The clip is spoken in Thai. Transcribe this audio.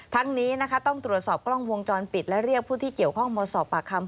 ทั้งนี้นะคะต้องตรวจสอบกล้องวงจรปิดและเรียกผู้ที่เกี่ยวข้องมาสอบปากคำ